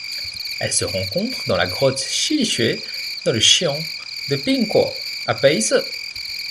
Elle se rencontre dans la grotte Xiushui dans le xian de Pingguo à Baise.